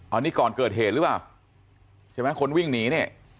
อันนี้ก่อนเกิดเหตุหรือเปล่าใช่ไหมคนวิ่งหนีเนี่ย